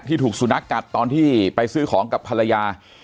ถูกสุนัขกัดตอนที่ไปซื้อของกับภรรยา